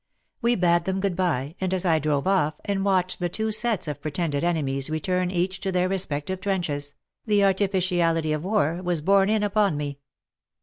We bade them good bye, and as I drove off, and watched the two sets of pretended enemies return each to their respective trenches, the artificiality of war was borne in upon me.